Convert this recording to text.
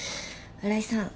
荒井さん